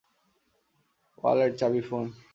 Wallet, চাবি, phone?